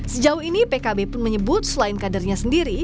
sejauh ini pkb pun menyebut selain kadernya sendiri